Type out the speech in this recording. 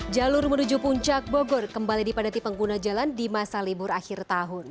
jalur menuju puncak bogor kembali dipadati pengguna jalan di masa libur akhir tahun